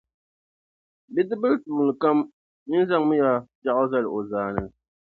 buŋdibbil’ tuuli kam, yin’ zaŋmiya piɛɣu zal’ o zaani.